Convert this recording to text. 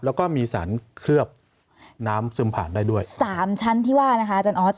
แล้วก็มีสารเคลือบน้ำซึมผ่านได้ด้วย